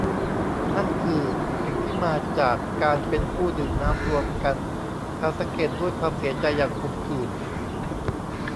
นั่นคือสิ่งที่มาจากการเป็นผู้ดื่มน้ำรวมกัน เขาสังเกตด้วยความเสียใจอย่างขมขื่น